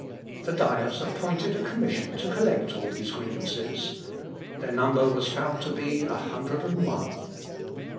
" The Diet appointed a commission to collect all these grievances. Their number was found to be a hundred and one.